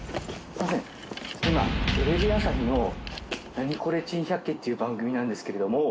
今テレビ朝日の『ナニコレ珍百景』っていう番組なんですけれども。